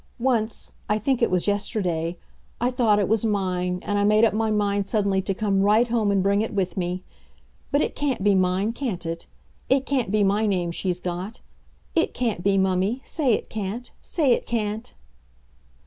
Once I think it was yesterday I thought it was mine, and I made up my mind suddenly to come right home and bring it with me. But it can't be mine, can it? It can't be my name she's got. It can't be, mummy, say it can't, say it can't!"